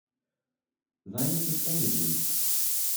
Sei nicht so streng mit ihm!